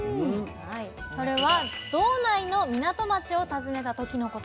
それは道内の港町を訪ねた時のこと。